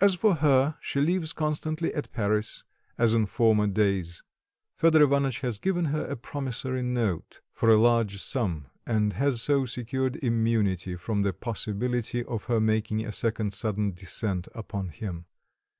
As for her, she lives constantly at Paris, as in former days. Fedor Ivanitch has given her a promissory note for a large sum, and has so secured immunity from the possibility of her making a second sudden descent upon him.